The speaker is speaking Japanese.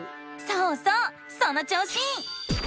そうそうその調子！